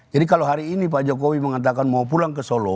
jadi kalau hari ini pak jokowi mengatakan mau pulang ke solo